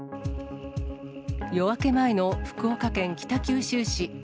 夜明け前の福岡県北九州市。